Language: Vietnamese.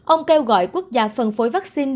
ông kêu gọi quốc gia phân phối vaccine